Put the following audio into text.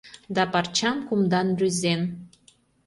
Да парчам кумдан рӱзен